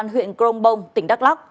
huyện crong bong tỉnh đắk lắc